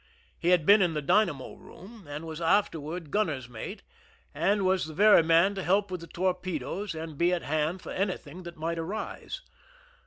He had . been in the dynamo room, and was afterward gun ner's mate, and was the very man to help with the torpedoes and be at hand for anything that might arise.